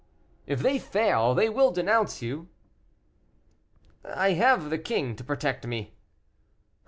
"If they fail they will denounce you." "I have the king to protect me."